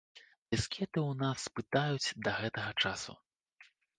Дыскеты ў нас пытаюць да гэтага часу.